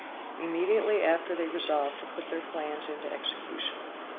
Immediately after they resolved to put their plans into execution.